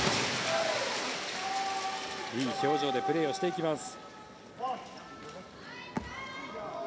いい表情でプレーをしていきます。